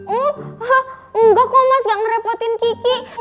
oh enggak kok mas gak ngerepotin kiki